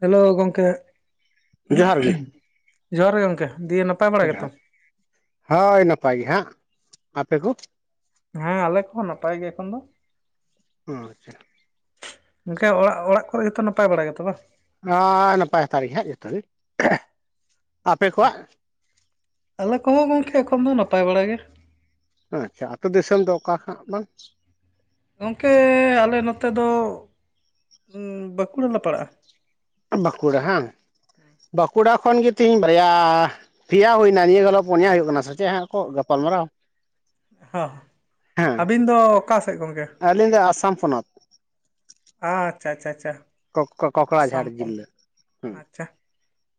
Hello ᱜᱚᱝᱠᱮ ᱡᱚᱦᱟᱨ ᱜᱮ ᱡᱚᱦᱟᱨ ᱜᱮ ᱜᱚᱝᱠᱮ ᱫᱤᱭᱮ ᱱᱟ ᱦᱳᱭ ᱱᱟᱯᱟᱭ ᱜᱮ ᱦᱟᱸᱜ ᱟᱯᱮ ᱠᱚ ᱦᱮᱸ ᱟᱞᱮ ᱠᱚ ᱦᱚᱸ ᱱᱟᱯᱟᱭ ᱜᱮ ᱮᱠᱷᱚᱱ ᱫᱚ ᱳ ᱟᱪᱪᱷᱟ ᱜᱚᱝᱠᱮ ᱚᱲᱟᱜ ᱚᱲᱟᱜ ᱠᱚ ᱨᱮ ᱜᱮ ᱛᱚ ᱱᱟᱯᱟᱭ ᱵᱟᱲᱟ ᱜᱮ ᱛᱚ ᱵᱟᱝ ᱦᱳᱭ ᱱᱟᱯᱟᱭ ᱦᱟᱛᱟᱲ ᱜᱮ ᱦᱟᱸᱜ ᱡᱚᱛᱚ ᱜᱮ ᱟᱯᱮ ᱠᱚᱣᱟᱜ ᱟᱞᱮ ᱠᱚ ᱦᱚᱸ ᱜᱚᱝᱠᱮ ᱮᱠᱷᱚᱱ ᱫᱚ ᱱᱟᱯᱟᱭ ᱵᱟᱲᱟ ᱜᱮ ᱟᱪᱪᱷᱟ ᱟᱹᱛᱩ ᱫᱤᱥᱚᱢ ᱫᱚ ᱚᱠᱟ ᱠᱷᱚᱱᱟᱜ ᱵᱟᱝ ᱜᱚᱝᱠᱮ ᱟᱞᱮ ᱱᱚᱛᱮ ᱫᱚ ᱵᱟᱸᱠᱩᱲᱟ ᱞᱮ ᱯᱟᱲᱟᱜᱼᱟ ᱵᱟᱸᱠᱩᱲᱟ ᱦᱟᱝ ᱵᱟᱸᱠᱩᱲᱟ ᱠᱷᱚᱱ ᱜᱮ ᱛᱮᱦᱤᱧ ᱵᱟᱨᱭᱟ ᱯᱮᱭᱟ ᱦᱩᱭᱱᱟ ᱱᱤᱭᱟᱹ ᱜᱷᱟᱞᱳᱜ ᱯᱚᱱᱭᱟ ᱦᱩᱭᱩᱜ ᱠᱟᱱᱟ ᱥᱮ ᱪᱮᱫ ᱦᱟᱸᱜ ᱠᱚ ᱜᱟᱯᱟᱞᱢᱟᱨᱟᱣ ᱦᱚᱸ, ᱦᱮᱸ ᱟᱹᱵᱤᱱ ᱫᱚ ᱚᱠᱟ ᱥᱮᱫ ᱜᱚᱢᱠᱮ? ᱟᱹᱞᱤᱧ ᱫᱚ ᱟᱥᱟᱢ ᱯᱚᱱᱚᱛ! ᱟᱪᱪᱷᱟ, ᱟᱪᱪᱷᱟ, ᱟᱪᱪᱷᱟ᱾ ᱠᱚᱠᱼᱠᱚ ᱠᱚᱠᱲᱟᱨᱟᱡᱷᱟᱨ ᱟᱥᱟᱢ ᱡᱤᱞᱟᱹ ᱦᱩᱸ᱾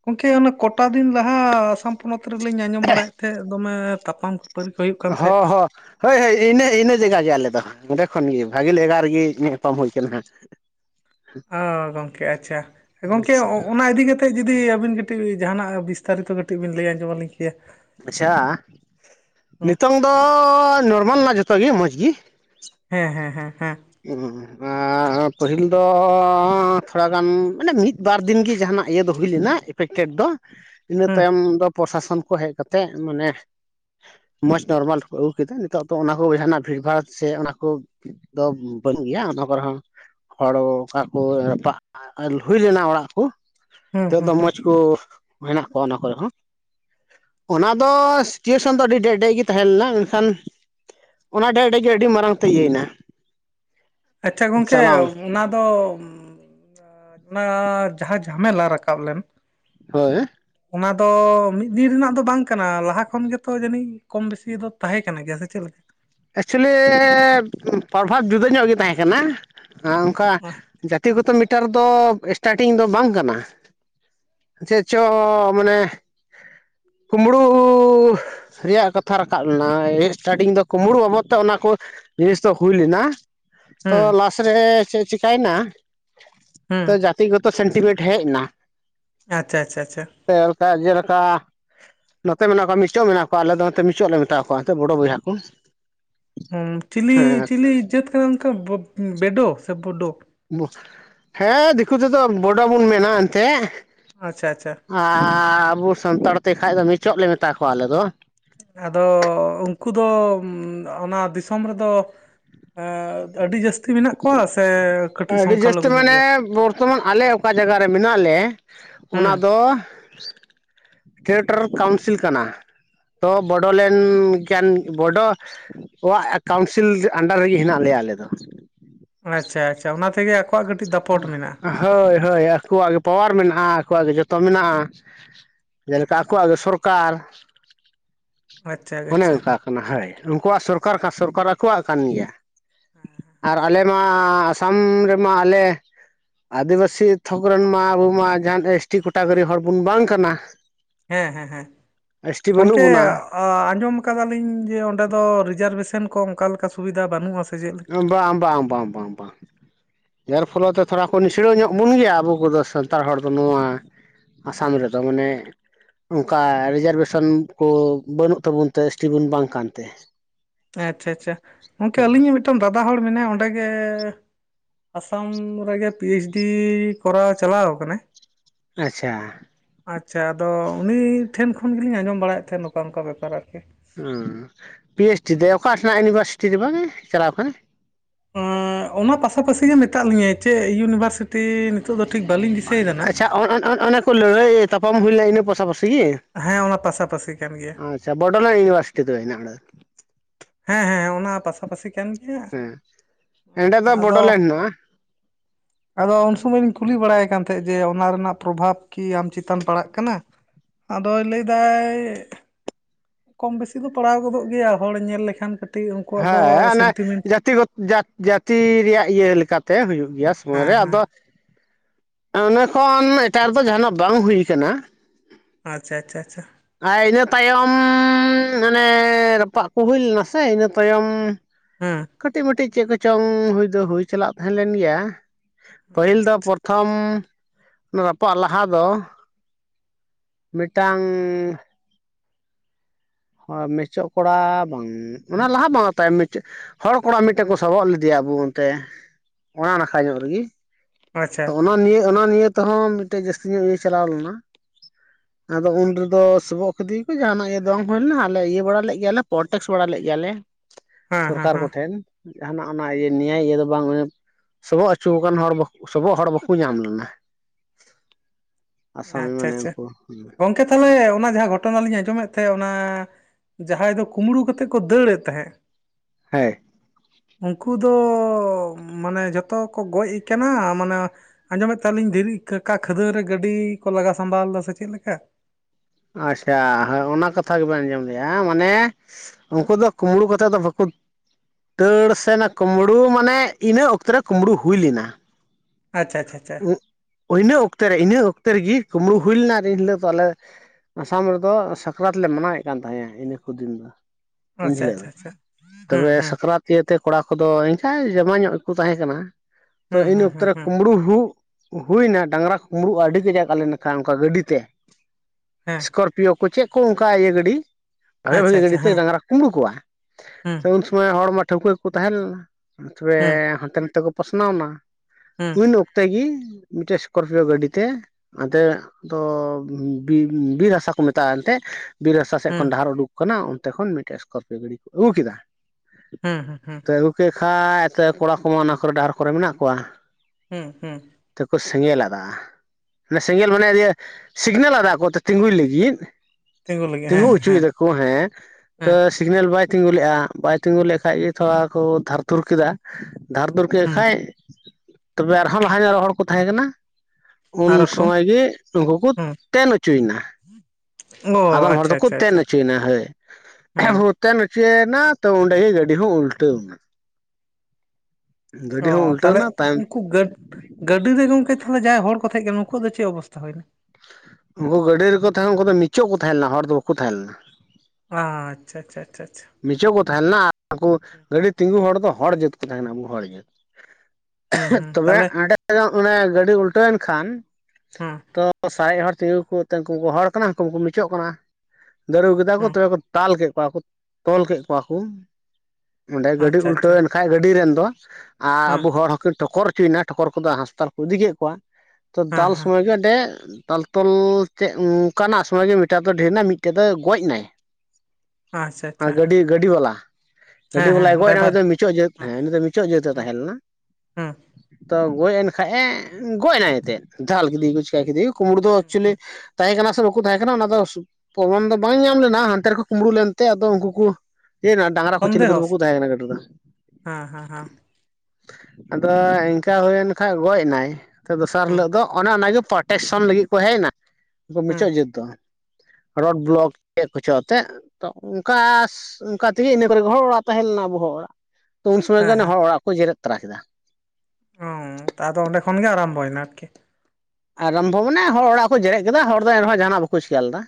ᱜᱚᱢᱠᱮ ᱚᱱᱟ ᱠᱚᱴᱟ ᱫᱤᱱ ᱞᱟᱦᱟ ᱟᱥᱟᱢ ᱯᱚᱱᱚᱛ ᱨᱮᱜᱤᱧ ᱟᱸᱡᱚᱢ ᱵᱟᱲᱟᱭᱮᱫ ᱛᱟᱦᱮᱫ, ᱫᱚᱢᱮ ᱛᱟᱯᱟᱢ ᱠᱷᱟᱹᱯᱟᱹᱨᱤ ᱠᱚ ᱦᱩᱭᱩᱜ ᱠᱟᱱ ᱛᱟᱦᱮᱸᱫ ᱦᱚᱸ, ᱦᱚᱸ ᱦᱳᱭ ᱦᱳᱭ, ᱤᱱᱟᱹ ᱤᱱᱟᱹ ᱡᱟᱭᱜᱟ ᱜᱮ ᱟᱞᱮ ᱫᱚ᱿ ᱚᱸᱰᱮ ᱠᱷᱚᱱ ᱜᱮ ᱵᱷᱟᱹᱜᱤ ᱡᱟᱭᱜᱟ ᱨᱮ ᱜᱮ ᱧᱟᱯᱟᱢ ᱦᱩᱭ ᱠᱟᱱᱟ ᱦᱟᱸᱜ᱾ ᱚᱸ ᱜᱚᱢᱠᱮ ᱟᱪᱪᱷᱟ, ᱜᱚᱢᱠᱮ ᱟᱪᱪᱷᱟ ᱚᱱᱟ ᱤᱫᱤ ᱠᱟᱛᱮ ᱛᱮᱫ ᱡᱩᱫᱤ ᱟᱹᱵᱤᱱ ᱠᱟᱹᱴᱤᱡ ᱡᱟᱦᱟᱱᱟᱜ ᱵᱤᱥᱛᱟᱨᱤᱛᱚ ᱠᱟᱹᱴᱤᱡ ᱵᱤᱱ ᱞᱟᱹᱭ ᱟᱸᱡᱚᱢ ᱟᱹᱞᱤᱧ ᱠᱮᱭᱟ? ᱟᱪᱪᱷᱟ, ᱦᱩᱸ ᱱᱤᱛᱚᱝ ᱫᱚ ᱱᱚᱨᱢᱟᱞ ᱮᱱᱟ ᱡᱷᱚᱛᱚ ᱜᱮ ᱢᱚᱡᱽ ᱜᱮ᱾ ᱦᱮᱸ, ᱦᱮᱸ, ᱦᱮᱸ, ᱦᱮᱸ᱾ ᱩᱸ ᱟᱨ ᱟᱜ ᱯᱟᱹᱦᱤᱞ ᱫᱚᱻ ᱛᱷᱚᱲᱟᱜᱟᱱ ᱢᱟᱱᱮ ᱢᱤᱫ ᱵᱟᱨ ᱫᱤᱱ ᱜᱮ ᱡᱟᱦᱟᱱᱟᱜ ᱤᱭᱟᱹᱫᱚ ᱦᱩᱭ ᱞᱮᱱᱟ, ᱮᱯᱷᱮᱠᱴᱮᱰ ᱫᱚ᱾ ᱤᱱᱟᱹ ᱦᱩᱸ ᱛᱟᱭᱚᱢ ᱫᱚ ᱯᱨᱚᱥᱟᱥᱚᱱ ᱠᱚ ᱦᱮᱡ ᱠᱟᱛᱮ ᱢᱟᱱᱮ ᱢᱚᱸᱡᱽ ᱱᱚᱨᱢᱟᱞ ᱠᱚ ᱟᱹᱜᱩ ᱠᱮᱫᱟ᱾ ᱱᱤᱛᱚᱜ ᱫᱚ ᱚᱱᱟ ᱠᱚ ᱡᱟᱦᱟᱱᱟᱜ ᱵᱷᱤᱲᱵᱷᱟᱲ ᱥᱮ ᱚᱱᱟ ᱠᱚ ᱫᱚ ᱵᱟᱱᱩᱜ ᱜᱮᱭᱟ᱾ ᱚᱱᱟ ᱠᱚ ᱨᱮ ᱦᱚᱸ ᱦᱚᱲ ᱚᱠᱟ ᱠᱚ ᱨᱟᱯᱟᱜ ᱦᱩᱭ ᱞᱮᱱᱟ ᱚᱲᱟᱜ ᱠᱚ᱾ ᱦᱩᱸ ᱱᱤᱛᱚᱜ ᱦᱩᱸ ᱫᱚ ᱦᱩᱸ ᱢᱚᱡᱽ ᱠᱚ ᱦᱮᱱᱟᱜ ᱠᱚᱣᱟ, ᱚᱱᱟ ᱠᱚ ᱨᱮ ᱦᱚᱸ᱾ ᱚᱱᱟ ᱫᱚ ᱥᱤᱪᱩᱭᱮᱥᱚᱱ ᱫᱚ ᱟᱹᱰᱤ ᱰᱮᱡ ᱰᱮᱡ ᱜᱮ ᱛᱟᱦᱮ ᱞᱮᱱᱟ, ᱢᱮᱱᱠᱷᱟᱱ ᱚᱱᱟ ᱰᱷᱮᱡ ᱰᱷᱮᱡ ᱜᱮ ᱟᱹᱰᱤ ᱢᱟᱨᱟᱝ ᱛᱮ ᱤᱭᱟᱹᱭ ᱮᱱᱟ᱾ ᱟᱪᱪᱷᱟ ᱜᱚᱝᱠᱮ ᱚᱱᱟ ᱫᱚ, ᱚᱱᱟ ᱡᱟᱦᱟ ᱡᱷᱟᱢᱮᱞᱟ ᱨᱟᱠᱟᱵ ᱞᱮᱱ ᱦᱳᱭ᱾ ᱚᱱᱟ ᱫᱚ ᱢᱤᱫ ᱫᱤᱱ ᱨᱮᱱᱟᱜ ᱫᱚ ᱵᱟᱝ ᱠᱟᱱᱟ᱾ ᱞᱟᱦᱟ ᱠᱷᱚᱱ ᱜᱮᱛᱚ ᱡᱟᱹᱱᱤᱡ ᱠᱚᱢ ᱵᱮᱥᱤ ᱫᱚ ᱛᱟᱦᱮ ᱠᱟᱱᱟ ᱜᱮᱭᱟ ᱥᱮ ᱪᱮᱫ ᱞᱮᱠᱟ? ᱮᱠᱪᱩᱭᱮᱞᱤᱻ ᱯᱨᱚᱵᱷᱟᱵᱽ' ᱡᱩᱫᱟᱹ ᱧᱚᱜ ᱜᱮ ᱛᱟᱦᱮ ᱠᱟᱱᱟ᱾ ᱚᱱᱠᱟ ᱵᱮᱠᱛᱤᱜᱚᱛᱚ ᱢᱤᱴᱟᱨ ᱫᱚ ᱥᱴᱟᱴᱤᱝ ᱫᱚ ᱵᱟᱝ ᱠᱟᱱᱟ᱾ ᱪᱮᱫ ᱪᱚ ᱢᱟᱱᱮ ᱠᱩᱢᱵᱽᱲᱩ ᱨᱮᱭᱟᱜ ᱠᱟᱛᱷᱟ ᱨᱟᱠᱟᱵ ᱞᱮᱱᱟ, ᱥᱴᱟᱴᱤᱝ ᱫᱚ ᱠᱩᱢᱵᱽᱲᱩ ᱵᱟᱵᱚᱫ ᱛᱮ, ᱚᱱᱟ ᱠᱚ ᱡᱤᱱᱤᱥ ᱫᱚ ᱦᱩᱭ ᱞᱮᱱᱟ᱾ ᱛᱚ ᱦᱩᱸ ᱞᱟᱥᱴ ᱨᱮ ᱪᱮᱫ ᱪᱮᱠᱟᱭ ᱮᱱᱟ, ᱦᱩᱸ ᱛᱚ ᱡᱟᱹᱛᱤ ᱜᱚᱛᱚ ᱥᱮᱱᱴᱤᱢᱮᱱᱴ ᱦᱮᱡᱽ ᱮᱱᱟ᱾ ᱟᱪᱪᱷᱟ, ᱟᱪᱪᱷᱟ, ᱟᱪᱪᱷᱟ᱾ ᱥᱮ ᱚᱱᱠᱟ ᱡᱮ ᱞᱮᱠᱟ ᱱᱚᱛᱮ ᱢᱮᱱᱟᱜ ᱠᱚᱣᱟ᱾ ᱢᱤᱪᱚ ᱢᱮᱱᱟᱜ ᱠᱚᱣᱟ ᱟᱞᱮ ᱫᱚ ᱱᱚᱛᱮ ᱢᱤᱪᱚ ᱞᱮ ᱢᱮᱛᱟ ᱠᱚᱣᱟ ᱮᱱᱛᱮ ᱵᱚᱲᱚ ᱵᱚᱭᱦᱟ ᱠᱚ᱾ ᱦᱩᱸ ᱪᱤᱞᱤ ᱦᱮᱸ ᱪᱤᱞᱤ ᱡᱟᱹᱛ ᱠᱟᱱᱟ ᱚᱱᱠᱟ ᱵᱮᱰᱚ ᱥᱮ ᱵᱳᱰᱳ? ᱦᱮᱸ ᱫᱤᱠᱩ ᱛᱮ ᱫᱚ ᱵᱳᱰᱳ ᱵᱚᱱ ᱢᱮᱱᱟ ᱮᱱᱛᱮᱫ᱾ ᱟᱪᱪᱷᱟ, ᱟᱪᱪᱷᱟ᱾ ᱟᱼᱟᱨ ᱟᱵᱚ ᱥᱟᱱᱛᱟᱲ ᱛᱮ ᱠᱷᱟᱡᱽ ᱫᱚ ᱢᱤᱪᱚᱜ ᱞᱮ ᱢᱮᱛᱟ ᱠᱚᱣᱟ ᱟᱞᱮ ᱫᱚ᱾ ᱟᱫᱚ ᱩᱱᱠᱩ ᱫᱚ ᱚᱱᱟ ᱫᱤᱥᱚᱢ ᱨᱮᱫᱚ ᱟᱹᱰᱤ ᱡᱟᱹᱥᱛᱤ ᱢᱮᱱᱟᱜ ᱠᱚᱣᱟ ᱥᱮ ᱠᱟᱹᱴᱤᱡ ᱟᱹᱰᱤ ᱥᱚᱝᱠᱷᱟ ᱡᱟᱹᱥᱛᱤ ᱞᱩᱜᱩ ᱧᱚᱜ ᱜᱮᱭᱟ? ᱢᱟᱱᱮ ᱵᱚᱨᱛᱚᱢᱟᱱ ᱟᱞᱮ ᱚᱠᱟ ᱡᱟᱹᱭᱜᱟ ᱨᱮ ᱢᱮᱱᱟᱜ ᱞᱮ, ᱚᱱᱟ ᱦᱩᱸ ᱫᱚ ᱛᱷᱤᱭᱮᱴᱟᱨ ᱠᱟᱣᱩᱱᱥᱤᱞ ᱠᱟᱱᱟ᱾ ᱛᱚ ᱵᱚᱰᱚ ᱞᱮᱱ ᱠᱮᱱ, ᱵᱚᱰᱚ ᱠᱚᱣᱟᱜ ᱠᱟᱣᱩᱱᱥᱤᱞ ᱟᱱᱰᱟᱨ ᱨᱮᱜᱮ ᱦᱮᱱᱟᱜ ᱞᱮᱭᱟ, ᱟᱞᱮ ᱫᱚ᱾ ᱟᱪᱪᱷᱟ, ᱟᱪᱪᱷᱟ, ᱚᱱᱟ ᱛᱮᱜᱮ ᱟᱠᱚᱣᱟᱜ ᱠᱟᱹᱴᱤᱡ ᱫᱟᱯᱚᱴ ᱢᱮᱱᱟᱜᱼᱟ ᱦᱳᱭ ᱦᱳᱭ ᱟᱠᱚᱣᱟᱜ ᱜᱮ ᱯᱟᱣᱟᱨ ᱢᱮᱱᱟᱜᱼᱟ ᱟᱠᱚᱣᱟᱜ ᱜᱮ ᱡᱚᱛᱚ, ᱛᱚ ᱢᱮᱱᱟᱜᱼᱟ ᱡᱮᱞᱮᱠᱟ ᱟᱠᱚᱣᱟᱜ ᱜᱮ ᱥᱚᱨᱠᱟᱨ᱾ ᱟᱪᱪᱷᱟ ᱚᱱᱮ ᱟᱪᱪᱷᱟ ᱚᱱᱠᱟ ᱠᱟᱱᱟ ᱦᱳᱭ ᱩᱱᱠᱩᱣᱟᱜ ᱥᱚᱨᱠᱟᱨ, ᱥᱚᱨᱠᱟᱨ ᱟᱠᱚᱣᱟᱜ ᱠᱟᱱ ᱜᱮᱭᱟ, ᱟᱨ ᱟᱞᱮ ᱢᱟ ᱟᱥᱟᱢ ᱨᱮᱢᱟ ᱟᱞᱮ [inaudible] ᱟᱹᱫᱤᱵᱟᱹᱥᱤ ᱛᱷᱚᱠ ᱨᱮᱱ ᱢᱟ ᱟᱵᱚ ᱢᱟ ᱡᱟᱦᱟᱱ ᱮᱥ ᱴᱤ ᱠᱳᱴᱟᱜᱚᱨᱤ ᱦᱚᱲ ᱵᱚᱱ ᱵᱟᱝ ᱠᱟᱱᱟ᱾ ᱦᱮᱸ ᱦᱮᱸ ᱦᱮᱸ ᱮᱥ ᱴᱤ ᱵᱟᱹᱱᱩᱜ ᱜᱚᱝᱠᱮ ᱵᱚᱱᱟ ᱟᱸᱡᱚᱢ ᱟᱠᱟᱫᱟᱞᱤᱧ ᱡᱮ ᱚᱸᱰᱮ ᱫᱚ ᱨᱤᱡᱟᱨᱵᱷᱮᱥᱚᱱ ᱠᱚ ᱚᱱᱠᱟ ᱞᱮᱠᱟ ᱥᱩᱵᱤᱫᱟ ᱵᱟᱹᱱᱩᱜᱼᱟ ᱥᱮ ᱪᱮᱫ ᱞᱮᱠᱟ, ᱵᱟᱝ ᱵᱟᱝ ᱵᱟᱝ ᱵᱟᱝ ᱮᱨ ᱯᱷᱚᱞᱚᱛ ᱛᱮ ᱛᱷᱚᱲᱟ ᱠᱚ ᱱᱤᱥᱲᱟᱹᱣ ᱧᱚᱜ ᱵᱚᱱ ᱜᱮᱭᱟ ᱟᱵᱚ ᱠᱚᱫᱚ ᱥᱟᱱᱛᱟᱲ ᱦᱚᱲ ᱫᱚ ᱱᱚᱣᱟ ᱟᱥᱟᱢ ᱨᱮᱫᱚ ᱢᱟᱱᱮ, ᱚᱱᱠᱟ ᱨᱤᱡᱟᱨᱵᱷᱮᱥᱚᱱ ᱠᱚ ᱵᱟᱹᱱᱩᱜ ᱛᱟᱵᱚᱱ ᱛᱮ ᱮᱥ ᱴᱤ ᱵᱚᱱ ᱵᱟᱝ ᱠᱟᱱᱛᱮ᱾ ᱟᱪᱪᱷᱟ ᱟᱪᱪᱷᱟ ᱜᱚᱝᱠᱮ ᱟᱹᱞᱤᱧᱤᱡ ᱢᱤᱫᱴᱟᱝ ᱫᱟᱫᱟ ᱦᱚᱲ ᱢᱮᱱᱟᱭᱟ ᱚᱸᱰᱮ ᱜᱮ, ᱟᱥᱟᱢ ᱨᱮᱜᱮ ᱯᱤ ᱮᱭᱤᱪ ᱰᱤ ᱠᱚᱨᱟᱣ ᱪᱟᱞᱟᱣ ᱟᱠᱟᱱᱟ᱾ ᱟᱪᱪᱷᱟ, ᱟᱪᱪᱷᱟ ᱟᱫᱚ ᱩᱱᱤ ᱴᱷᱮᱱ ᱠᱷᱚᱱ ᱜᱮᱞᱤᱧ ᱟᱸᱡᱚᱢ ᱵᱟᱲᱟᱭᱮᱫ ᱛᱟᱦᱮᱸᱫ ᱱᱚᱝᱠᱟ ᱱᱚᱝᱠᱟ ᱵᱮᱯᱟᱨ ᱟᱹᱨᱠᱤ, ᱩᱸ ᱯᱤ ᱮᱭᱤᱪ ᱰᱤ ᱫᱚᱭᱟ ᱚᱠᱟᱴᱟᱜ ᱤᱭᱩᱱᱤᱵᱷᱟᱨᱥᱤᱴᱤ ᱨᱮ ᱵᱟᱝᱮ ᱪᱟᱞᱟᱣ ᱠᱟᱱ? ᱮᱸᱻᱚᱱᱟ ᱯᱟᱥᱟᱯᱟᱥᱤ ᱜᱮ ᱢᱮᱛᱟᱜ ᱞᱤᱧᱟᱹ ᱪᱮᱫ ᱤᱭᱩᱱᱤᱵᱷᱟᱨᱥᱤᱴᱤ, ᱛᱤ ᱱᱤᱛᱚᱜ ᱫᱚ ᱴᱷᱤᱠ ᱵᱟᱹᱞᱤᱧ ᱫᱤᱥᱟᱹᱭᱮᱫᱟ ᱱᱟᱸᱜ᱾ ᱚᱱ ᱚᱱ ᱚᱱ ᱚᱱᱨᱟᱥ ᱠᱚ ᱞᱟᱹᱲᱦᱟᱹᱭ ᱛᱟᱯᱟᱢ ᱦᱩᱭ ᱞᱮᱱᱟ ᱤᱱᱟᱹ ᱯᱟᱥᱟ ᱯᱟᱥᱤ ᱜᱮ ᱦᱮᱸ ᱚᱱᱟ ᱯᱟᱥᱟᱯᱟᱥᱤ ᱠᱟᱱ ᱜᱮᱭᱟ᱾ ᱟᱪᱪᱷᱟ ᱵᱚᱰᱚᱞᱮᱸᱰ ᱤᱭᱩᱱᱤᱵᱷᱟᱨᱥᱤᱴᱤ ᱛᱚᱰᱮ ᱦᱮᱱᱟᱜ ᱚᱸᱰᱮ ᱦᱮᱸ ᱦᱮᱸ ᱚᱱᱟ ᱯᱟᱥᱟᱯᱟᱥᱤ ᱠᱟᱱ ᱜᱮᱭᱟ ᱦᱮᱸ ᱚᱸᱰᱮ ᱫᱚ ᱟᱫᱚ, ᱵᱚᱰᱳᱞᱮᱱᱰ ᱦᱮᱱᱟᱜᱼᱟ [inaudible] ᱟᱫᱚ ᱩᱱ ᱥᱚᱢᱚᱭᱤᱧ ᱠᱩᱞᱤ ᱵᱟᱲᱟᱭ ᱠᱟᱱ ᱛᱟᱦᱮᱸᱫ ᱡᱮ ᱚᱱᱟ ᱨᱮᱱᱟᱜ ᱯᱨᱚᱵᱷᱟᱵᱽ ᱠᱤ ᱟᱢ ᱪᱮᱛᱟᱱ ᱯᱟᱲᱟᱜ ᱠᱟᱱᱟ, ᱟᱫᱚᱭ ᱞᱟᱹᱭᱫᱟᱭ ᱠᱚᱢ ᱵᱮᱥᱤ ᱫᱚ ᱯᱟᱲᱟᱣ ᱜᱚᱫᱚᱜ ᱜᱮᱭᱟ ᱦᱚᱲ ᱧᱮᱞ ᱞᱮᱠᱷᱟᱱ ᱠᱟᱹᱴ ᱦᱮᱸ ᱚᱱᱮ ᱡᱟᱹᱛᱤ ᱜᱚᱛᱚ ᱡᱟᱹᱛ ᱡᱟᱹᱛᱤ ᱨᱮᱭᱟᱜ ᱤᱭᱟᱹ ᱞᱮᱠᱟᱛᱮ ᱦᱩᱭᱩᱜ ᱜᱮᱭᱟ ᱥᱚᱢᱚᱭ ᱦᱮᱸ ᱨᱮ ᱦᱮᱸ ᱟᱫᱚ, ᱤᱱᱟᱹ ᱠᱷᱚᱱ ᱮᱴᱟᱜ ᱨᱮᱫᱚ ᱡᱟᱦᱟᱱᱟᱜ ᱵᱟᱝ ᱦᱩᱭ ᱠᱟᱱᱟ᱾ ᱟᱪᱪᱷᱟ ᱟᱪᱪᱷᱟ ᱟᱪᱪᱷᱟ, ᱟᱨ ᱤᱱᱟᱹ ᱛᱟᱭᱚᱢ ᱢᱟᱱᱮ ᱨᱟᱯᱟᱜ ᱠᱚ ᱦᱩᱭ ᱞᱮᱱᱟ ᱥᱮ ᱤᱱᱟᱹ ᱛᱟᱭᱚᱢ, ᱦᱮᱸ᱾ ᱠᱟᱹᱴᱤᱜ ᱢᱟᱹᱴᱤᱜ ᱪᱮᱫ ᱠᱚᱪᱚᱝ ᱦᱩᱭ ᱫᱚ ᱦᱩᱭ ᱪᱟᱞᱟᱜ ᱛᱟᱦᱮᱸ ᱞᱮᱱ ᱜᱮᱭᱟ᱾ ᱯᱟᱹᱦᱤᱞ ᱫᱚ ᱯᱚᱨᱛᱷᱚᱢ, ᱚᱱᱟ ᱨᱟᱯᱟᱜ ᱞᱟᱦᱟ ᱫᱚ ᱢᱤᱫᱴᱟᱝ ᱦᱚᱭ ᱢᱮᱪᱚᱫ ᱠᱚᱲᱟ ᱵᱟᱝ ᱚᱱᱟ ᱞᱟᱦᱟ ᱵᱟᱝ ᱛᱟᱭᱚᱢ ᱢᱮᱪᱚᱜ, ᱦᱚᱲ ᱠᱚᱲᱟ ᱢᱤᱫᱴᱮᱱ ᱠᱚ ᱥᱚᱵᱚᱜ ᱞᱮᱫᱮᱭᱟ ᱟᱵᱚ ᱚᱱᱛᱮ ᱚᱱᱟ ᱱᱟᱠᱷᱟ ᱧᱚᱜ ᱨᱮᱜᱮ᱾ ᱟᱪᱪᱷᱟ ᱛᱚ ᱚᱱᱟ ᱱᱤᱭᱮ ᱚᱱᱟ ᱱᱤᱭᱮ ᱛᱮᱦᱚᱸ ᱢᱤᱫᱴᱮᱜ ᱡᱟᱹᱥᱛᱤ ᱧᱚᱜ ᱤᱭᱟᱹ ᱪᱟᱞᱟᱣ ᱞᱮᱱᱟ, ᱟᱫᱚ ᱩᱱ ᱨᱮᱫᱚ ᱥᱚᱵᱚᱜ ᱠᱮᱫᱮᱭᱟ ᱠᱚ ᱡᱟᱦᱟᱱᱟᱜ ᱜᱮ ᱫᱚᱝ, ᱵᱟᱹᱱᱩᱜᱼᱟ ᱟᱞᱮ ᱤᱭᱟᱹ ᱵᱟᱲᱟ ᱞᱮᱫ ᱜᱮᱭᱟᱞᱮ ᱯᱚᱞᱴᱮᱠᱥ ᱵᱟᱲᱟ ᱞᱮᱫ ᱜᱮᱭᱟᱞᱮ ᱦᱮᱸ ᱦᱮᱸ ᱥᱚᱨᱠᱟᱨ ᱦᱮᱸ ᱠᱚᱴᱷᱮᱱ᱾ ᱡᱟᱦᱟᱱᱟᱜ ᱚᱱᱟ ᱤᱭᱟᱹ ᱱᱤᱭᱟᱹᱭ ᱤᱭᱟᱹ ᱫᱚ ᱵᱟᱝ ᱦᱩᱭᱩᱜ ᱥᱚᱵᱚᱜ ᱚᱪᱚ ᱟᱠᱟᱱ ᱦᱚᱲ ᱵᱟ ᱥᱚᱵᱚᱜ ᱦᱚᱲ ᱵᱟᱠᱚ ᱧᱟᱢ ᱞᱮᱱᱟ᱾ ᱟᱥᱟᱢᱤ ᱟᱪᱪᱷᱟ ᱢᱟᱱᱮ ᱟᱪᱪᱷᱟ ᱩᱱᱠᱩ ᱚᱝ ᱜᱚᱝᱠᱮ ᱛᱟᱦᱚᱞᱮ ᱚᱱᱟ ᱡᱟᱦᱟᱸ ᱜᱷᱚᱴᱚᱱᱟ ᱞᱤᱧ ᱟᱸᱡᱚᱢᱮᱫ ᱛᱟᱦᱮᱸ ᱚᱱᱟ, ᱡᱟᱦᱟᱸᱭ ᱫᱚ ᱠᱩᱢᱵᱽᱲᱩ ᱠᱟᱛᱮᱜ ᱠᱚ ᱫᱟᱹᱲᱮᱫ ᱛᱟᱦᱮᱸᱫ ᱦᱮᱸ ᱩᱱᱠᱩ ᱫᱚ ᱢᱟᱱᱮ ᱡᱷᱚᱛᱚ ᱠᱚ ᱜᱚᱡ ᱟᱠᱟᱱᱟ ᱢᱟᱱᱮ ᱟᱸᱡᱚᱢᱮᱫ ᱛᱟᱦᱮᱞᱤᱧ ᱫᱷᱮᱤᱨᱤ ᱠᱟᱠᱟ ᱠᱷᱟᱹᱫᱟᱹᱨ ᱨᱮ ᱜᱟᱹ ᱰᱤ ᱠᱚ ᱞᱟᱜᱟ ᱥᱟᱢᱵᱟᱣ ᱞᱮᱫᱟ ᱥᱮ ᱪᱮᱫ ᱞᱮᱠᱟ ᱟᱪᱪᱷᱟ ᱦᱳᱭ ᱚᱱᱟ ᱠᱟᱛᱷᱟ ᱜᱮᱵᱮᱱ ᱟᱸᱡᱚᱢ ᱞᱮᱼᱟ ᱢᱟᱱᱮ ᱩᱱᱠᱩ ᱫᱚ ᱠᱩᱢᱵᱽᱲᱩ ᱠᱟ ᱠᱟᱛᱮᱮᱫ ᱫᱚ ᱵᱟᱠᱚ ᱫᱟᱹᱲ ᱥᱮ ᱚᱱᱟ ᱠᱩᱢᱵᱽᱲᱩ ᱢᱟᱱᱮ ᱤᱱᱟᱹ ᱚᱠᱛᱚ ᱨᱮ ᱠᱩᱳᱢᱵᱽᱲᱩ ᱦᱩᱭ ᱞᱮᱱᱟ ᱟᱪᱷᱟ ᱪᱷᱟ ᱪᱷᱟ ᱤᱱᱟᱹ ᱚᱠᱛᱮ ᱨᱮ ᱤᱱᱟᱹ ᱚᱠᱛᱮ ᱨᱮᱜᱮ ᱠᱩᱢᱵᱽᱲᱩ ᱦᱩᱭ ᱞᱮᱱᱟ ᱮᱱᱦᱤᱞᱳᱜ ᱛᱟᱦᱚᱞᱮ ᱟᱥᱟᱢ ᱨᱮᱫᱚ ᱥᱟᱠᱨᱟᱛ ᱞᱮ ᱢᱟᱱᱟᱣᱮᱫ ᱠᱟᱱ ᱛᱟᱦᱮᱸᱱᱟ ᱤᱱᱟᱹ ᱠᱚ ᱫᱤᱱ ᱫᱚ ᱮᱱ ᱟᱪᱪᱷᱟ ᱦᱤᱞᱳᱜ ᱟᱪᱪᱷᱟ ᱫᱚ ᱟᱪᱪᱷᱟ ᱦᱩᱸ ᱛᱚᱵᱮ ᱦᱩᱸ ᱥᱟᱠᱨᱟᱛ ᱤᱭᱟᱹᱛᱮ ᱠᱚᱲᱟ ᱠᱚᱫᱚ ᱮᱱᱠᱟᱱ ᱡᱚᱢᱟ ᱧᱚᱜ ᱜᱮᱠᱚ ᱛᱟᱦᱮᱸ ᱠᱟᱱᱟ ᱛᱚ ᱦᱩᱸ ᱤᱱᱟᱹ ᱦᱩᱸ ᱦᱩᱸ ᱚᱠᱛᱚᱨᱮ ᱦᱩᱸ ᱠᱩᱢᱵᱽᱲᱩ ᱦᱩᱩᱜ ᱦᱩᱭᱱᱟ ᱰᱟᱝᱨᱟ ᱠᱩᱢᱵᱽᱲᱩᱜᱼᱟ ᱟᱹᱰᱤ ᱠᱟᱡᱟᱠ ᱟᱞᱮᱠᱷᱟᱱ ᱚᱱᱠᱟ ᱜᱟᱹᱰᱤ ᱛᱮ ᱦᱮᱸ ᱥᱠᱚᱨᱯᱤᱭᱚ ᱠᱚ ᱪᱮᱫ ᱠᱚ ᱚᱱᱠᱟ ᱤᱭᱟᱹ ᱜᱟᱹᱰᱤ ᱵᱷᱟᱜᱮ ᱟᱪᱪᱷᱟ ᱵᱷᱟᱜᱮ ᱟᱪᱪᱷᱟ ᱜᱟᱹᱰᱤᱛᱮ ᱦᱮᱸ ᱰᱟᱝᱨᱟ ᱠᱩᱢᱰᱩ ᱠᱚᱣᱟ ᱥᱮ ᱦᱩᱸ ᱩᱱ ᱥᱚᱢᱚᱭ ᱦᱚᱲ ᱢᱟ ᱴᱷᱟᱹᱣᱠᱟᱹ ᱜᱮᱠᱚ ᱛᱟᱦᱮᱸᱞᱮᱱᱟ ᱛᱚᱵᱮ ᱦᱩᱸ ᱦᱟᱱᱛᱮ ᱱᱟᱛᱮ ᱠᱚ ᱯᱟᱥᱱᱟᱣ ᱱᱟ ᱦᱩᱸ ᱩᱱ ᱚᱠᱛᱮ ᱜᱮ ᱢᱤᱫᱴᱮᱡ ᱥᱠᱚᱨᱯᱤᱭᱚ ᱜᱟᱹᱰᱤ ᱛᱮ ᱱᱟᱛᱮ ᱫᱚ ᱵᱤᱨ ᱦᱟᱥᱟ ᱠᱚ ᱢᱮᱛᱟᱜᱼᱟ ᱮᱱᱛᱮᱫ ᱵᱤᱨ ᱦᱟᱥᱟ ᱥᱮᱫ ᱦᱩᱸ ᱠᱷᱚᱱ ᱰᱟᱦᱟᱨ ᱩᱰᱩᱠ ᱟᱠᱟᱱᱟ ᱚᱱᱛᱮ ᱠᱷᱚᱱ ᱢᱤᱫᱴᱮᱡ ᱥᱠᱚᱨᱯᱤᱭᱳ ᱜᱟᱹᱰᱤ ᱠᱚ ᱟᱹᱜᱩ ᱠᱮᱫᱟ ᱦᱩᱸ ᱦᱩᱸ ᱦᱩᱸ ᱛᱮ ᱟᱹᱜᱩ ᱠᱮᱫ ᱠᱷᱟᱡ ᱱᱛᱮ ᱠᱚᱲᱟᱠᱚᱢᱟ ᱚᱱᱟ ᱠᱚᱨᱮ ᱰᱟᱦᱟᱨ ᱠᱚᱨᱮ ᱢᱮᱱᱟᱜ ᱠᱚᱣᱟ ᱦᱩᱸ ᱦᱩᱸ ᱛᱮᱠᱚ ᱥᱮᱸᱜᱮᱞ ᱟᱫᱟ ᱥᱮᱸᱜᱮᱞ ᱢᱟᱱᱮ ᱤᱭᱟᱹ ᱥᱤᱜᱽᱱᱮᱞ ᱟᱫᱟ ᱠᱚ ᱛᱤᱸᱜᱩᱭ ᱞᱟᱹᱜᱤᱫ ᱞᱟᱹᱜᱤᱫ ᱛᱤᱸᱜᱩ ᱦᱮᱸ ᱦᱚᱪᱚᱭ ᱦᱮᱸ ᱫᱟᱠᱚ ᱦᱮᱸ ᱛᱚ ᱦᱮᱸ ᱥᱤᱜᱽᱱᱮᱞ ᱵᱟᱭ ᱛᱤᱸᱜᱩ ᱞᱮᱫᱼᱟ ᱵᱟᱭ ᱛᱤᱸᱜᱩ ᱞᱮᱠᱷᱟᱱ ᱜᱮ ᱛᱷᱚᱲᱟ ᱠᱚ ᱫᱷᱟᱨᱛᱩᱨ ᱠᱮᱫᱟ ᱫᱷᱟᱨ ᱫᱷᱩᱨ ᱠᱮᱫ ᱦᱩᱸ ᱠᱷᱟᱡ ᱛᱚᱵᱮ ᱟᱨᱦᱚᱸ ᱞᱟᱦᱟ ᱧᱚᱜ ᱨᱮ ᱦᱚᱲ ᱠᱚ ᱛᱟᱦᱮᱸ ᱠᱟᱱᱟ ᱩᱱ ᱟᱨᱚ ᱠᱚ ᱥᱚᱢᱚᱭ ᱜᱮ ᱩᱱᱩᱠᱩ ᱠᱚ ᱦᱩᱸ ᱛᱮᱱ ᱚᱪᱚᱭᱮᱱᱟ ᱚ ᱟᱫᱚᱢ ᱦᱚᱲ ᱟᱪᱪᱷᱟ ᱫᱚᱠᱚ ᱟᱪᱪᱷᱟ ᱟᱪᱪᱷᱟ ᱛᱮᱱᱪᱚᱭᱮᱱᱟ ᱦᱮᱭ ᱦᱩᱸ ᱛᱮᱱ ᱚᱪᱚᱭᱮᱱᱟ ᱛᱚ ᱚᱸᱰᱮ ᱜᱮ ᱜᱟᱹᱰᱤ ᱦᱚᱸ ᱩᱞᱴᱟᱹᱣ ᱮᱱᱟ ᱚ ᱜᱟᱹᱰᱤ ᱦᱚᱸ ᱩᱞᱴᱟᱹᱣ ᱛᱟᱦᱚᱞᱮ ᱮᱱᱟ ᱛᱟᱭᱚᱢ ᱩᱱᱠᱩ ᱜᱟᱹᱰ ᱜᱟᱹᱰᱤ ᱨᱮ ᱜᱚᱝᱠᱮ ᱛᱟᱦᱚᱞᱮ ᱡᱟᱦᱟᱸᱟᱭ ᱦᱚᱲ ᱠᱚ ᱛᱟᱦᱮᱸ ᱠᱟᱱᱟ ᱱᱩᱠᱩᱣᱟᱜ ᱫᱚ ᱪᱮᱫ ᱚᱵᱚᱥᱛᱟ ᱦᱩᱭᱱᱟ ᱩᱱᱠᱩ ᱜᱟᱹᱰᱤ ᱨᱮᱠᱚ ᱛᱟᱦᱮᱸᱱ ᱩᱱᱠᱩ ᱫᱚ ᱢᱤᱪᱚᱜ ᱠᱚ ᱛᱟᱦᱮᱸ ᱞᱮᱱᱟ ᱦᱚᱲ ᱫᱚ ᱵᱟᱠᱚ ᱛᱟᱦᱮᱸ ᱞᱮᱱᱟ ᱟᱪᱪᱷᱟ ᱪᱷᱟ ᱪᱷᱟ ᱪᱷᱟ ᱢᱤᱪᱟᱹᱣ ᱠᱚ ᱛᱟᱦᱮᱸ ᱞᱮᱱᱟ ᱟᱨ ᱩᱱᱠᱩ ᱜᱟᱹᱰᱤ ᱛᱤᱸᱜᱩ ᱦᱚᱲ ᱫᱚ ᱦᱚᱲ ᱡᱟᱹᱛ ᱠᱚ ᱛᱟᱦᱮᱱᱟ ᱟᱵᱚ ᱦᱚᱲ ᱡᱟᱹᱛ ᱦᱩᱸ ᱦᱩᱸ ᱛᱚᱵᱮ ᱛᱟᱦᱚᱞᱮ ᱚᱸᱰᱮ ᱚᱱᱮ ᱜᱟᱹᱰᱤ ᱩᱞᱴᱟᱹᱣᱮᱱ ᱠᱷᱟᱱ ᱦᱩᱸ ᱛᱚ ᱥᱟᱨᱮᱡ ᱦᱚᱲ ᱛᱤᱸᱜᱩ ᱠᱚᱛᱮ ᱩᱱᱠᱩ ᱠᱚ ᱦᱚᱲ ᱠᱟᱱᱟ ᱦᱟᱱᱠᱩ ᱠᱚᱩᱱᱠᱩ ᱢᱤᱪᱚᱜ ᱠᱟᱱᱟ ᱫᱟᱹᱲ ᱟᱹᱜᱩ ᱠᱮᱫᱟ ᱠᱚ ᱦᱩᱸ ᱛᱚᱵᱮ ᱠᱚ ᱛᱟᱞ ᱠᱮᱫ ᱠᱚᱣᱟ ᱠᱚ ᱛᱚᱞ ᱠᱮᱫ ᱠᱚᱣᱟ ᱠᱚ ᱚᱸᱰᱮ ᱜᱟᱹᱰᱤ ᱟᱪᱪᱷᱟ ᱟᱪᱪᱷᱟ ᱩᱞᱴᱟᱹᱣᱮᱱ ᱠᱷᱟᱡ ᱜᱟᱹᱰᱤ ᱨᱮᱱ ᱫᱚ ᱟᱨ ᱦᱮᱸ ᱟᱵᱚ ᱦᱚᱲ ᱦᱚᱸᱠᱤᱱ ᱴᱚᱠᱚᱨ ᱦᱚᱪᱚᱭᱮᱱᱟ ᱴᱷᱚᱠᱩᱨ ᱠᱚᱫᱚ ᱦᱟᱸᱥᱯᱟᱛᱟᱞ ᱠᱚ ᱤᱫᱤ ᱠᱮᱫ ᱠᱚᱣᱟ ᱛᱚ ᱦᱮᱸ ᱫᱟᱞ ᱦᱮᱸ ᱥᱚᱢᱚᱭ ᱜᱮ ᱚᱸᱰᱮ ᱫᱟᱞ ᱛᱚᱞ ᱪᱮᱫ ᱚᱱᱠᱟᱱᱟᱜ ᱥᱚᱢᱚᱭ ᱜᱮ ᱢᱤᱫᱴᱟᱨ ᱫᱚ ᱰᱷᱮᱨ ᱮᱱᱟᱭ ᱢᱤᱫᱴᱮᱱ ᱫᱚ ᱜᱚᱡ ᱮᱱᱟᱭ ᱟᱪᱪᱷᱟ ᱟᱨ ᱟᱪᱪᱷᱟ ᱜᱟᱹᱰᱤ ᱜᱟᱹᱰᱤ ᱵᱟᱞᱟ ᱜᱟᱹᱰᱤ ᱦᱮᱸ ᱵᱟᱚᱞᱟᱭ ᱦᱮᱸ ᱜᱚᱡ ᱮᱱᱟ ᱰᱟᱭᱵᱷᱟᱨ ᱩᱱᱤ ᱫᱚ ᱢᱪᱫ ᱡᱟᱹᱛ ᱦᱮ ᱦᱮᱸ ᱩᱱᱤ ᱫᱚᱚᱤᱪᱟᱹ ᱡᱟᱹᱛ ᱮ ᱦᱩᱸ ᱛᱟᱦᱮᱸ ᱞᱮᱱᱟ ᱦᱩᱸ ᱛᱚ ᱜᱚᱡ ᱮᱱ ᱠᱷᱟᱱᱡ ᱮ ᱜᱚᱡ ᱮᱱᱟᱭ ᱮᱱᱛᱮᱫ ᱫᱟᱞ ᱠᱮᱫᱮ ᱠᱚ ᱪᱤᱟᱹ ᱠᱮᱫᱮ ᱠᱩᱳᱢᱵᱽᱲᱩ ᱫᱚ ᱮᱠᱪᱩᱞᱮᱞᱤ ᱦᱩᱸ ᱛᱟᱦᱮᱸ ᱠᱟᱱᱟ ᱥᱮ ᱵᱟᱠᱚ ᱛᱟᱦᱮᱸ ᱠᱟᱱᱟ ᱚᱱᱟ ᱫᱚ ᱯᱨᱚᱢᱚᱱ ᱫᱚ ᱵᱟᱝ ᱧᱟᱢ ᱞᱮᱱᱟ ᱦᱟᱱᱛᱮ ᱨᱮᱠᱚ ᱠᱩᱢᱵᱽᱲᱩ ᱞᱮᱱ ᱛᱮ ᱟᱫᱚ ᱩᱱᱠᱩ ᱠᱚ ᱤᱭᱟᱹ ᱰᱟᱝᱨᱟ ᱠᱚ [unintelligible] ᱠᱚᱫᱚ ᱥᱚᱱᱫᱮᱦᱚᱥ ᱵᱟᱠᱚ ᱛᱟᱦᱮᱸ ᱠᱟᱱᱟ ᱜᱟᱹᱰᱤ [unintelligible] ᱦᱮᱸ ᱦᱮᱸ ᱦᱮᱸ ᱟᱫᱚ ᱤᱱᱠᱟᱹ ᱦᱩᱭ ᱮᱱ ᱠᱷᱟᱱ ᱜᱚᱡ ᱮᱱᱟᱭ ᱫᱚᱥᱟᱨ ᱦᱩᱸ ᱦᱤᱞᱳᱜ ᱫᱚ ᱚᱱᱮ ᱚᱱᱟ ᱜᱮ ᱯᱨᱚᱴᱮᱠᱥᱚᱱ ᱞᱟᱹᱜᱤᱫ ᱠᱚ ᱦᱮᱡ ᱮᱱᱟ ᱩᱱᱠᱩ ᱦᱩᱸ ᱢᱩᱪᱟᱹᱫ ᱡᱟᱹᱛ ᱫᱚ ᱨᱳᱰ ᱵᱞᱚᱠ [unintelligible] ᱠᱚᱪᱚ ᱟᱛᱮᱫ ᱛᱚ ᱚᱱᱠᱟ ᱚᱱᱠᱟ ᱛᱮᱜᱮ ᱤᱱᱟᱹ ᱠᱚᱨᱮ ᱜᱮ ᱦᱚᱲ ᱚᱲᱟᱜ ᱛᱟᱦᱮᱸ ᱞᱮᱱᱟ ᱟᱵᱚ ᱦᱚᱲ ᱚᱲᱟᱜ ᱛᱚ ᱩᱱ ᱥᱚᱢᱚᱭ ᱦᱮᱸ ᱜᱮ ᱦᱚᱲ ᱚᱲᱟᱜ ᱠᱚ ᱡᱮᱨᱮᱫ ᱛᱚᱨᱟ ᱠᱮᱫᱟ ᱚᱻ ᱛᱟᱫᱚ ᱚᱸᱰᱮ ᱠᱷᱚᱱ ᱜᱮ ᱟᱨᱚᱢ ᱵᱚᱭᱱᱟ ᱟᱨᱠᱤ ᱟᱨᱟᱢᱵᱷᱚ ᱢᱟᱱᱮ ᱦᱚᱲ ᱚᱲᱟᱜ ᱠᱚ ᱡᱮᱨᱮᱫ ᱠᱮᱫᱟ ᱦᱚᱲ ᱫᱚ ᱮᱱᱦᱚᱸ ᱡᱟᱦᱟᱱᱟᱜ ᱵᱟᱠᱩ ᱪᱮᱠᱟ ᱞᱮᱫᱟ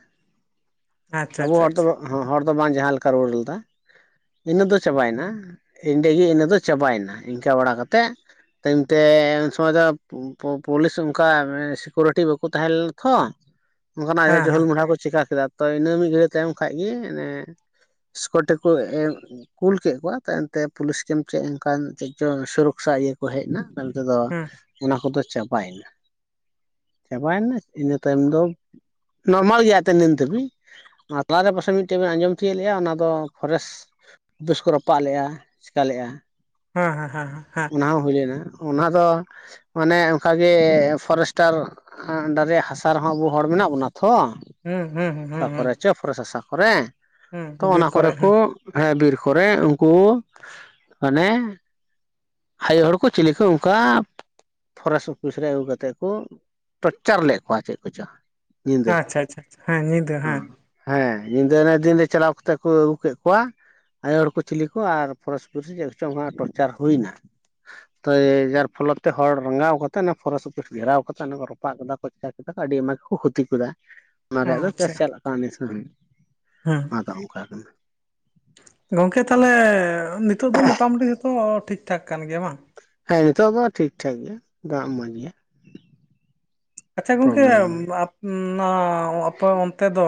ᱟᱪᱪᱷᱟ ᱟᱵᱚ ᱟᱪᱪᱷᱟ ᱦᱚᱲ ᱫᱚ ᱟᱪᱪᱷᱟ ᱦᱚᱲ ᱫᱚ ᱵᱟᱝ ᱡᱟᱦᱟᱸ ᱞᱮᱠᱟ ᱨᱩᱣᱟᱹᱲ ᱞᱮᱫᱟ ᱤᱱᱟᱹ ᱫᱚ ᱪᱟᱵᱟᱭ ᱮᱱᱟ ᱮᱸᱰᱮ ᱜᱮ ᱤᱱᱟᱹ ᱫᱚ ᱪᱟᱵᱟᱭ ᱮᱱᱟ ᱤᱱᱠᱟᱹ ᱵᱟᱲᱟ ᱠᱟᱛᱮᱫ ᱮᱱᱛᱮ ᱩᱱ ᱥᱚᱢᱚᱭ ᱫᱚᱼᱼ ᱯᱩ ᱯᱩᱞᱤᱥ ᱚᱱᱠᱟ ᱥᱤᱠᱩᱨᱤᱴᱤ ᱵᱟᱠᱚ ᱛᱟᱦᱮᱸ ᱞᱮᱱᱟ ᱛᱷᱚ ᱚᱱᱠᱟᱱᱟᱜ ᱦᱮᱸ ᱡᱤᱦᱩᱞ ᱦᱮᱸ ᱢᱚᱦᱰᱟ ᱠᱚ ᱪᱤᱠᱟ ᱠᱮᱫᱟ ᱛᱚ ᱤᱱᱟᱹ ᱢᱤᱫ ᱜᱷᱟᱹᱲᱤᱡ ᱛᱟᱭᱚᱢ ᱠᱷᱟᱡ ᱜᱮ [unintelligible] [unintelligible] ᱠᱩᱞ ᱠᱮᱫ ᱠᱚᱣᱟ ᱛᱟᱭᱚᱢ ᱛᱮ ᱯᱩᱞᱤᱥ ᱠᱮᱢ ᱪᱮᱫ ᱚᱱᱠᱟ ᱪᱮᱫ ᱪᱚᱝ ᱥᱩᱨᱚᱠᱥᱟ ᱤᱭᱟᱹ ᱠᱚ ᱦᱮᱡ ᱮᱱᱟ ᱛᱟᱭᱚᱢ ᱛᱮᱫᱚ ᱚᱱᱟ ᱠᱚᱫᱚ ᱪᱟᱵᱟᱭ ᱮᱱᱟ ᱪᱟᱵᱟᱭ ᱮᱱᱟ ᱤᱱᱟᱹ ᱛᱟᱭᱚᱢ ᱫᱚ ᱱᱚᱨᱢᱟᱞ ᱜᱮᱭᱟ ᱛᱚ ᱱᱤᱛ ᱫᱷᱟᱹᱵᱤᱡ ᱟᱨ ᱛᱟᱞᱟ ᱨᱮ ᱯᱟᱥᱮᱡ ᱢᱤᱫᱴᱮᱡ ᱵᱮᱱ ᱟᱸᱡᱚᱢ ᱛᱤᱭᱳᱫ ᱞᱮᱭᱟ ᱚᱱᱟ ᱫᱚ ᱯᱷᱚᱨᱮᱥᱴ ᱩᱯᱷᱤᱥ ᱠᱚ ᱨᱟᱯᱟᱜ ᱞᱮᱫ-ᱟ ᱪᱮᱠᱟ ᱞᱮᱜ-ᱟ ᱦᱩᱸ ᱦᱮᱸ ᱦᱮᱸ ᱦᱮᱸ ᱦᱮᱸ ᱚᱱᱟ ᱦᱚᱸ ᱦᱩᱭ ᱞᱮᱱᱟ ᱚᱱᱟ ᱫᱚ ᱢᱟᱱᱮ ᱚᱱᱠᱟ ᱜᱮ ᱯᱷᱚᱨᱮᱥᱴᱟᱨ ᱟᱻ ᱟᱱᱰᱟᱨ ᱨᱮᱭᱟᱜ ᱦᱟᱥᱟ ᱨᱮ ᱦᱚᱸ ᱟᱵᱚ ᱦᱚᱲ ᱢᱮᱱᱟᱜ ᱵᱚᱱᱟ ᱛᱷᱚ ᱦᱩᱸ ᱦᱩᱸ ᱦᱩᱸ ᱚᱠᱟ ᱠᱚ ᱦᱩᱸ ᱨᱮ ᱪᱚ ᱯᱷᱚᱨᱮᱥ ᱦᱟᱥᱟ ᱠᱚᱨᱮ ᱦᱩᱸ ᱛᱚ ᱦᱩᱸ ᱵᱤᱨ ᱚᱱᱟ ᱠᱚᱨᱮ ᱠᱚ ᱦᱮᱸ ᱦᱮᱸ ᱵᱤᱨ ᱠᱚᱨᱮ ᱩᱱᱠᱩ ᱢᱟᱱᱮᱼᱼ ᱟᱭᱳ ᱦᱚᱲ ᱠᱚ ᱪᱤᱞᱤ ᱠᱩ ᱚᱱᱠᱟ ᱯᱷᱚᱨᱮᱥ ᱩᱯᱷᱤᱥ ᱨᱮ ᱟᱹᱜᱩ ᱠᱟᱛᱮᱫ ᱠᱚ ᱴᱚᱪᱪᱟᱨ ᱞᱮᱫ ᱠᱚᱣᱟ ᱪᱮᱫ ᱠᱚᱪᱚ ᱧᱤᱫᱟᱹ ᱟᱪᱪᱷᱟ ᱟᱪᱪᱷᱟ ᱦᱮᱸ ᱧᱤᱫᱟᱹ ᱦᱮᱸ ᱦᱮᱸ ᱧᱤᱫᱟᱹ ᱤᱱᱟᱹ ᱫᱤᱱ ᱨᱮ ᱪᱟᱞᱟᱣ ᱠᱟᱛᱮ ᱠᱩ ᱟᱹᱜᱩ ᱠᱮᱫ ᱠᱚᱣᱟ ᱟᱭᱳ ᱦᱚᱲ ᱠᱩ ᱪᱤᱞᱤ ᱠᱚ ᱟᱨ ᱯᱷᱚᱨᱮᱥ ᱪᱮᱫ ᱠᱚᱪᱚᱝ ᱦᱟᱸ ᱴᱚᱨᱪᱟᱨ ᱦᱩᱭᱱᱟ ᱛᱚ ᱮᱻᱭ ᱡᱟᱨ ᱯᱷᱚᱞᱚᱛ ᱛᱮ ᱦᱚᱲ ᱨᱟᱸᱜᱟᱣ ᱠᱟᱛᱮ ᱚᱱᱟ ᱯᱷᱚᱨᱮᱥᱴ ᱚᱯᱷᱤᱥ ᱜᱷᱮᱨᱟᱣ ᱠᱟᱛᱮ ᱚᱱᱟ ᱠᱚ ᱨᱟᱯᱟᱜ ᱠᱮᱫᱟ [unintelligible] ᱟᱹᱰᱤ ᱟᱭᱢᱟ ᱜᱮᱠᱚ ᱠᱷᱩᱛᱤ ᱠᱟᱫᱟ [inaudible] ᱚᱱᱟ ᱨᱮᱭᱟᱜ ᱫᱚ ᱠᱮᱥ ᱟᱪᱪᱷᱟ ᱪᱟᱞᱟᱜ ᱠᱟᱱᱟ ᱱᱤᱛ ᱦᱚᱸ ᱦᱮᱸ ᱟᱫᱚ ᱚᱱᱠᱟ ᱠᱟᱱᱟ ᱜᱚᱝᱠᱮ ᱛᱟᱦᱚᱞᱮ ᱱᱤᱛᱚᱜ ᱫᱚ ᱢᱚᱴᱟᱢᱩᱴᱤ ᱡᱚᱛᱚ ᱴᱷᱤᱠ ᱴᱷᱟᱠ ᱠᱟᱱ ᱜᱮᱭᱟ ᱵᱟᱝ ᱦᱮᱸ ᱱᱤᱛᱚᱜ ᱫᱚ ᱴᱷᱤᱠ ᱴᱷᱟᱠ ᱜᱮᱭᱟ ᱫᱟᱜ ᱢᱚᱸᱡᱽ ᱜᱮᱭᱟ ᱟᱪᱪᱷᱟ ᱜᱚᱝᱠᱮ ᱯᱨᱚᱵᱞᱮᱢ [unintelligible] ᱟᱯᱮ ᱚᱱᱛᱮ ᱫᱚᱼᱼ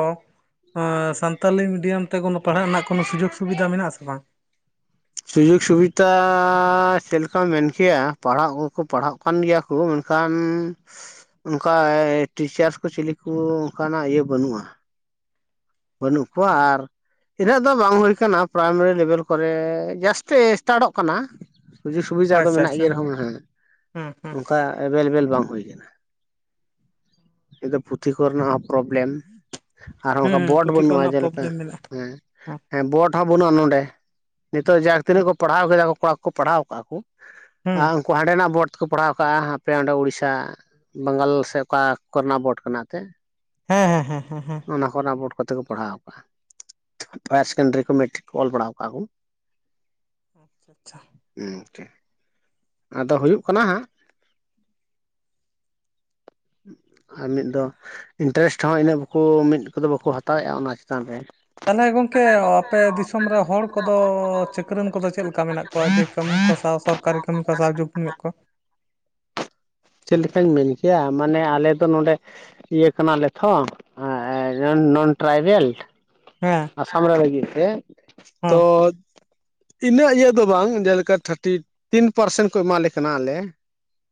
ᱳᱻ ᱥᱟᱱᱛᱟᱞᱤ ᱢᱤᱰᱤᱭᱟᱢ ᱛᱮ ᱠᱳᱱᱳ ᱯᱟᱲᱦᱟᱜ ᱨᱮᱱᱟᱜ ᱠᱳᱱᱳ ᱥᱩᱡᱳᱜᱽ ᱥᱩᱵᱤᱫᱷᱟ ᱢᱮᱱᱟᱜ-ᱟ ᱟᱥᱮ ᱵᱟᱝ ᱥᱩᱡᱳᱜᱽ ᱥᱩᱵᱤᱫᱷᱟ ᱪᱮᱫ ᱞᱮᱠᱟᱢ ᱢᱮᱱ ᱠᱮᱭᱟ ᱯᱟᱲᱦᱟᱜ ᱦᱚᱲ ᱠᱚ ᱯᱟᱲᱦᱟᱜ ᱠᱟᱱ ᱜᱮᱭᱟ ᱠᱚ ᱢᱮᱱ ᱠᱷᱟᱱ ᱚᱱᱠᱟ ᱴᱤᱪᱟᱨᱥ ᱠᱩ ᱪᱤᱞᱤ ᱠᱩ ᱚᱱᱠᱟᱱᱟᱜ ᱤᱭᱟᱹ ᱵᱟᱹᱱᱩᱜ-ᱟ ᱵᱟᱹᱱᱩᱜ ᱠᱚᱣᱟ ᱟᱨᱼᱼ ᱤᱱᱟᱹᱜ ᱫᱚ ᱵᱟᱝ ᱦᱩᱭ ᱠᱟᱱᱟ ᱯᱨᱟᱭᱢᱟᱨᱤ ᱞᱮᱵᱮᱞ ᱠᱚᱨᱮ ᱡᱟᱥᱴ ᱥᱴᱟᱴᱚᱜ ᱠᱟᱱᱟ ᱥᱩᱡᱳᱜ ᱥᱩᱵᱤᱫᱷᱟ ᱫᱚ ᱟᱪᱪᱷᱟ ᱢᱮᱱᱟᱜ ᱜᱮ ᱟᱪᱪᱷᱟ ᱨᱮᱦᱚᱸ ᱱᱟᱦᱟᱜ ᱦᱩᱸ ᱦᱩᱸ ᱚᱱᱠᱟ ᱮᱵᱮᱞᱮᱵᱮᱞ ᱵᱟᱝ ᱦᱩᱭ ᱠᱟᱱᱟ [unintelligible] ᱯᱩᱛᱷᱤ ᱠᱚ ᱨᱮᱱᱟᱜ ᱦᱚᱸ ᱯᱨᱚᱵᱞᱮᱢ [unintelligible] ᱦᱩᱸ ᱦᱩᱸ ᱵᱳᱰ ᱯᱩᱛᱷᱤ ᱵᱟᱹᱱᱩᱜ-ᱟ ᱠᱚᱨᱮᱱᱟᱜ ᱡᱮᱞᱮᱠᱟ, ᱯᱨᱚᱵᱞᱮᱢ ᱢᱮᱱᱟᱜᱼᱟ ᱦᱮᱸ ᱾ ᱦᱮᱸ ᱵᱳᱴ ᱦᱚᱸ ᱵᱟᱹᱱᱩᱜ-ᱟ ᱱᱚᱸᱰᱮ, ᱱᱤᱛᱚᱜ ᱡᱟᱠ ᱛᱤᱱᱟᱹᱜ ᱠᱚ ᱯᱟᱲᱦᱟᱣ ᱠᱮᱫᱟ ᱠᱚ ᱠᱚᱲᱟᱠᱩ ᱯᱟᱲᱦᱟᱣ ᱠᱮᱫᱟ ᱠᱩ ᱠᱚᱲᱟ ᱠᱚ ᱯᱟᱲᱦᱟᱣ ᱠᱟᱜ-ᱟ ᱠᱩ ᱾ ᱟ ᱦᱩᱸ ᱩᱝᱠᱩ ᱦᱟᱸᱰᱮᱱᱟᱜ ᱵᱳᱨᱰ ᱛᱮᱠᱚ ᱯᱟᱲᱦᱟᱣ ᱠᱟᱜ-ᱟ ᱟᱯᱮ ᱚᱸᱰᱮ ᱩᱲᱤᱥᱟ ᱵᱟᱝᱜᱟᱞ ᱥᱮ ᱚᱠᱟ ᱠᱚᱨᱮᱱᱟᱜ ᱵᱳᱴ ᱠᱟᱱᱟ ᱮᱱᱛᱮ! ᱦᱮᱸ ᱦᱮᱸ ᱦᱮᱸ ᱦᱮᱸ ᱾ ᱚᱱᱟ ᱵᱳᱴ ᱠᱚᱛᱮ ᱠᱚ ᱯᱟᱲᱦᱟᱣ ᱠᱟᱜ-ᱟ ᱾ ᱦᱟᱭᱟᱨ ᱥᱮᱠᱮᱱᱰᱟᱨᱤ ᱠᱚ ᱢᱮᱴᱨᱤᱠ ᱠᱚ ᱚᱞ ᱵᱟᱲᱟᱣ ᱠᱟᱜ ᱠᱩ ᱾ ᱟᱪᱪᱷᱟ ᱾ ᱩᱸ [unintelligible] ᱟᱫᱚ ᱦᱩᱭᱩᱜ ᱠᱟᱱᱟ ᱦᱟᱸᱜ ᱟᱨ ᱢᱤᱫ ᱫᱚ ᱤᱱᱴᱟᱨᱮᱥᱴ ᱦᱚᱸ ᱤᱱᱟᱹᱜ ᱵᱟᱠᱚ ᱢᱤᱫ ᱟᱫᱚ ᱵᱟᱠᱩ ᱦᱟᱛᱟᱣᱮᱜᱼᱟ ᱚᱱᱟ ᱪᱮᱛᱟᱱ ᱨᱮ ᱾ ᱛᱟᱦᱞᱮ ᱜᱚᱝᱠᱮ ᱟᱯᱮ ᱫᱤᱥᱚᱢ ᱨᱮ ᱦᱚᱲ ᱠᱚᱫᱚᱻ ᱪᱟᱹᱠᱨᱟᱹᱱ ᱠᱚᱫᱚ ᱪᱮᱫ ᱞᱮᱠᱟ ᱢᱮᱱᱟᱜ ᱠᱚᱣᱟ ᱡᱮ ᱠᱟᱹᱢᱤ ᱠᱚ ᱥᱟᱶ ᱥᱚᱨᱠᱟᱨᱤ ᱠᱟᱹᱢᱤ ᱠᱚ ᱥᱟᱦᱡᱳᱜᱽ ᱢᱮᱱᱮᱫ ᱠᱚ? ᱪᱮᱫ ᱞᱮᱠᱟᱧ ᱢᱮᱱ ᱠᱮᱜᱼᱟ ᱢᱟᱱᱮ ᱟᱞᱮ ᱫᱚ ᱱᱚᱸᱰᱮ ᱤᱭᱟᱹ ᱠᱟᱱᱟᱞᱮ ᱛᱷᱚ ᱟᱸ ᱟᱸ ᱱᱚᱱ ᱱᱚᱱ ᱴᱨᱟᱭᱵᱮᱞ ᱾ ᱦᱮᱸ ᱾ ᱟᱥᱟᱢ ᱨᱮ ᱞᱟᱹᱜᱤᱜ ᱛᱮ, ᱛᱚ ᱤᱱᱟᱹᱜ ᱤᱭᱟᱹ ᱫᱚ ᱵᱟᱝ ᱡᱮᱞᱮᱠᱟ ᱛᱷᱟᱨᱴᱤ ᱛᱤᱱ ᱯᱟᱨᱥᱮᱱ ᱠᱚ ᱮᱢᱟᱞᱮ ᱠᱟᱱᱟ ᱟᱞᱮ ᱾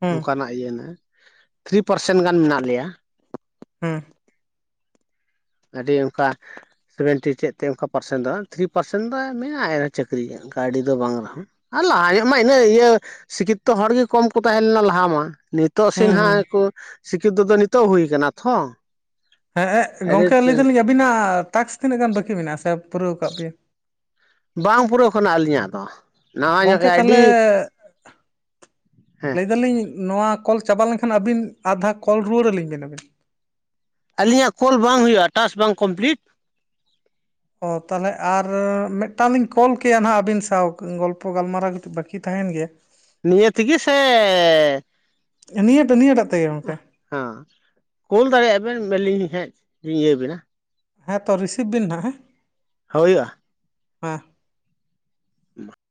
ᱦᱮᱸ ᱚᱝᱠᱟᱱᱟᱜ ᱤᱭᱟᱹ ᱱᱮ ᱛᱷᱨᱤ ᱯᱟᱨᱥᱮᱱ ᱜᱟᱱ ᱢᱮᱱᱟᱜ ᱞᱮᱭᱟ ᱾ ᱦᱩᱸ ᱾ ᱟᱹᱰᱤ ᱚᱱᱠᱟ ᱥᱮᱵᱷᱮᱱᱴᱤ ᱪᱮᱫ ᱛᱮ ᱚᱝᱠᱟ ᱯᱟᱨᱥᱮᱱ ᱫᱚ ᱵᱟᱝ ᱛᱷᱨᱤ ᱯᱟᱨᱥᱮᱱ ᱫᱚ ᱢᱮᱱᱟᱜᱼᱟ ᱮ ᱪᱟᱹᱠᱨᱤ ᱠᱟᱣᱰᱤ ᱫᱚ ᱵᱟᱝ ᱨᱮᱦᱚ ᱾ ᱟᱨ ᱞᱟᱦᱟ ᱧᱚᱜ ᱢᱟ ᱤᱱᱟᱹᱜ ᱤᱭᱟᱹ ᱥᱤᱠᱷᱤᱛᱛᱚ ᱦᱚᱲ ᱜᱮ ᱠᱚᱢ ᱠᱚ ᱛᱟᱦᱮ ᱞᱮᱱᱟ ᱞᱟᱦᱟ ᱢᱟ, ᱱᱤᱛ ᱛᱚᱜ ᱥᱤᱱ ᱦᱮᱸ ᱦᱮᱸ ᱦᱟᱸᱜ ᱮ ᱠᱩ ᱥᱤᱠᱠᱷᱤᱛᱛᱚ ᱫᱚ ᱱᱤᱛᱚᱜ ᱦᱩᱭ ᱠᱟᱱᱟ ᱛᱷᱚ ᱾ ᱦᱮᱸ ᱮᱜ ᱜᱚᱝᱠᱮ ᱞᱟᱹᱭᱫᱟᱞᱤᱧ ᱟᱹᱵᱤᱱᱟᱜ ᱴᱟᱥᱠ ᱛᱤᱱᱟᱹᱜ ᱜᱟᱱ ᱵᱟᱹᱠᱤ ᱢᱮᱱᱟᱜᱼᱟ, ᱥᱮ ᱯᱩᱨᱟᱹᱣ ᱠᱟᱜ ᱵᱤᱱ? ᱵᱟᱝ ᱯᱩᱨᱟᱹᱣ ᱠᱟᱱᱟ ᱟᱹᱞᱤᱧᱟᱜ ᱫᱚ ᱾ ᱜᱚᱝᱠᱮ ᱛᱟᱦᱞᱮ ᱦᱮᱸ ᱞᱟᱹᱭ ᱫᱟᱞᱤᱧ ᱱᱚᱣᱟ ᱠᱚᱞ ᱪᱟᱵᱟ ᱞᱮᱝᱠᱷᱟᱱ ᱟᱹᱵᱤᱱ ᱟᱨᱫᱷᱟ ᱠᱚᱞ ᱨᱩᱣᱟᱹᱲ ᱟᱹᱞᱤᱧ ᱵᱤᱱ ᱟᱹᱵᱤᱱ ᱾ ᱟᱹᱞᱤᱧᱟᱜ ᱠᱚᱞ ᱵᱟᱝ ᱦᱩᱭᱩᱜᱼᱟ ᱴᱟᱥ ᱵᱟᱝ ᱠᱚᱢᱯᱞᱤᱴ ᱾ ᱚ ᱛᱟᱦᱞᱮ ᱟᱨ ᱢᱤᱫᱴᱟᱝ ᱞᱤᱧ ᱠᱚᱞ ᱠᱮᱭᱟ ᱱᱟᱦᱟᱜ ᱟᱹᱵᱤᱱ ᱥᱟᱣ ᱜᱚᱞᱯᱚ ᱜᱟᱞᱢᱟᱨᱟ ᱠᱟᱹᱴᱤᱡ ᱵᱟᱠ ᱠᱤ ᱛᱟᱦᱮᱭᱮᱱ ᱜᱮᱭᱟ ᱾ ᱱᱤᱭᱟᱹ ᱛᱤᱜᱤ ᱥᱮ! ᱱᱤᱭᱟᱹᱴᱟ ᱱᱤᱭᱟᱹᱴᱟᱜ ᱛᱮᱜᱮ ᱜᱚᱢᱠᱮ ᱾ ᱦᱟᱸ, ᱠᱳᱞ ᱫᱟᱲᱮᱭᱟᱜ ᱵᱮᱱ ᱵᱟᱹᱞᱤᱧ ᱦᱮᱸᱜ ᱤᱭᱟᱹ ᱵᱮᱱᱟ ᱾ ᱦᱮᱸ ᱛᱚ ᱨᱤᱥᱤᱵᱷ ᱵᱤᱱ ᱱᱟᱦᱟᱜ, ᱦᱮᱸ ᱾ ᱦᱳᱭᱳᱜᱼᱟ ᱾ ᱦᱮᱸ ᱾ [unintelligible]